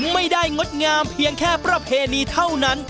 งดงามเพียงแค่ประเพณีเท่านั้น